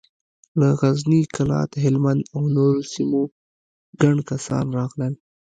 له غزني، کلات، هلمند او نورو سيمو ګڼ کسان راغلل.